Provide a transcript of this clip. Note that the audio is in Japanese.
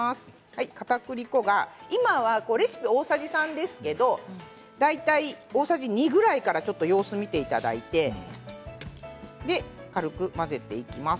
かたくり粉が今はレシピは大さじ３ですけど大体大さじ２ぐらいから様子を見ていただいて軽く混ぜていきます。